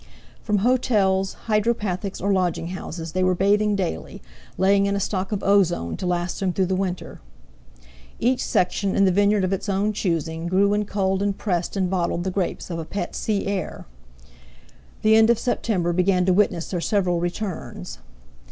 From hotels, hydropathics, or lodging houses, they were bathing daily; laying in a stock of ozone to last them through the winter. Each section, in the vineyard of its own choosing, grew and culled and pressed and bottled the grapes of a pet sea air. The end of September began to witness their several returns.